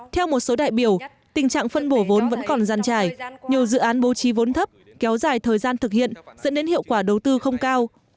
theo một số đại biểu tình trạng phân bổ vốn vẫn còn gian trải nhiều dự án bố trí vốn thấp kéo dài thời gian thực hiện dẫn đến hiệu quả đầu tư không cao